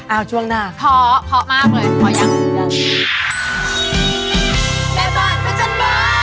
เอ้าช่วงหน้าพอพอมากเลยพอยังยัง